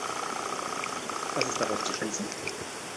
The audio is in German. Was ist daraus zu schließen?